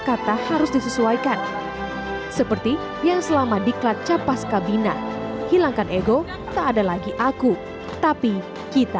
kata harus disesuaikan seperti yang selama diklat capas kabina hilangkan ego tak ada lagi aku tapi kita